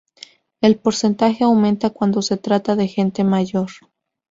El porcentaje aumenta cuando se trata de gente mayor.